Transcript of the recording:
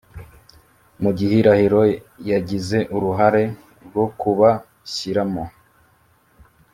mu gihirahiro yagize uruhare rwo kubashyiramo.